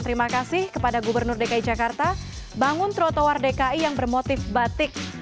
terima kasih kepada gubernur dki jakarta bangun trotoar dki yang bermotif batik